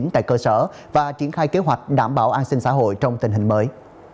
tại cơ sở và triển khai kế hoạch đảm bảo an sinh xã hội trong tình hình mới